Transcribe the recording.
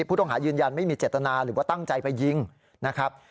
ผู้ต้องหายืนยันไม่มีเจตนาหรือว่าตั้งใจไปยิงนะครับ